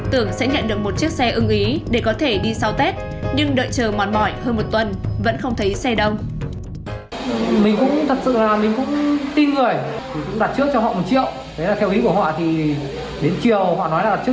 tưởng sẽ nhận được một chiếc xe ưng ý để có thể đi sau tết nhưng đợi chờ mòn mỏi hơn một tuần vẫn không thấy xe đông